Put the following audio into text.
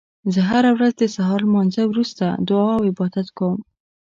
زه هره ورځ د سهار لمانځه وروسته دعا او عبادت کوم